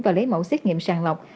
và lấy mẫu xét nghiệm sàng lọc